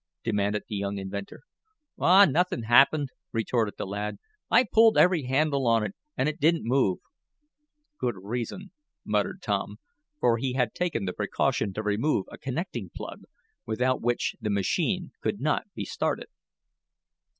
demanded the young inventor. "Aw, nothin' happened," retorted the lad. "I pulled every handle on it, an' it didn't move." "Good reason," murmured Tom, for he had taken the precaution to remove a connecting plug, without which the machine could not be started.